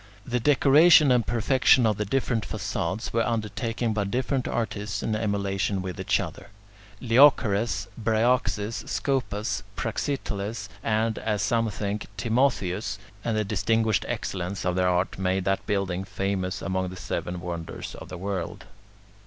The decoration and perfection of the different facades were undertaken by different artists in emulation with each other: Leochares, Bryaxis, Scopas, Praxiteles, and, as some think, Timotheus; and the distinguished excellence of their art made that building famous among the seven wonders of the world.